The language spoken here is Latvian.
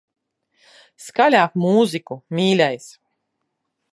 Skaļāk mūziku, mīļais.